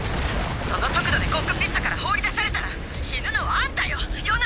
その速度でコックピットから放り出されたら死ぬのはあんたよヨナ！